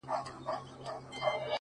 • په مړاوو گوتو كي قوت ډېر سي،